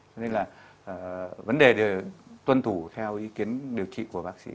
cho nên là vấn đề tuân thủ theo ý kiến điều trị của bác sĩ